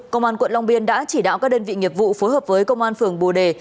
công an quận long biên đã chỉ đạo các đơn vị nghiệp vụ phối hợp với công an phường bồ đề